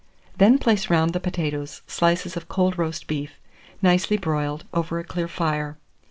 Then place round the potatoes slices of cold roast beef, nicely broiled, over a clear fire.